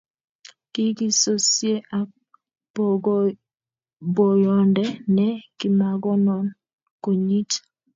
kikisosie ak boyonde ne kimakonon konyit